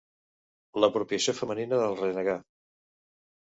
L'apropiació femenina del renegar.